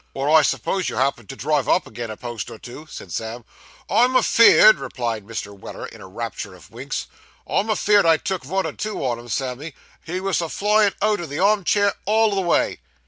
'Wot, I s'pose you happened to drive up agin a post or two?' said Sam. 'I'm afeerd,' replied Mr. Weller, in a rapture of winks 'I'm afeerd I took vun or two on 'em, Sammy; he wos a flyin' out o' the arm cheer all the way.